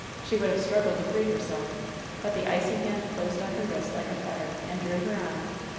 She would have struggled to free herself, but the icy hand closed on her wrist like a fetter, and drew her on.